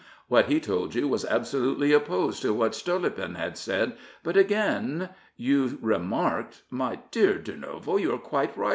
What he told you was absolutely opposed to what Stolypin had said, but again you remarked, " My dear Durnovo, you are quite right.